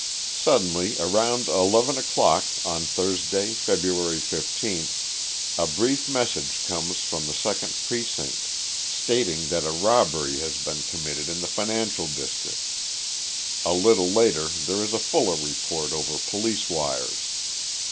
Suddenly, around eleven o'clock on Thursday, February 15, a brief message comes from the second precinct, stating that a robbery has been committed in the financial district. A little later there is a fuller report over police wires.